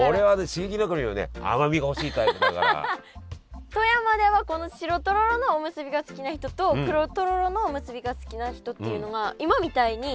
刺激の中にもね富山ではこの白とろろのおむすびが好きな人と黒とろろのおむすびが好きな人っていうのが今みたいに。